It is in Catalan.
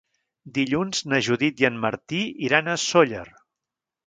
Dilluns na Judit i en Martí iran a Sóller.